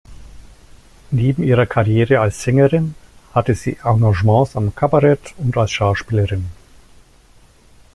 Neben ihrer Karriere als Sängerin hatte sie Engagements am Kabarett und als Schauspielerin.